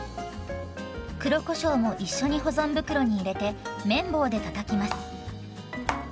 黒こしょうも一緒に保存袋に入れて麺棒でたたきます。